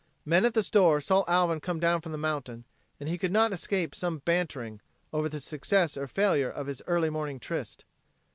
Men at the store saw Alvin come down from the mountain and he could not escape some banterings over the success or failure of his early morning tryst.